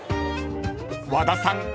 ［和田さん